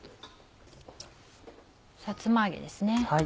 さつま揚げですね。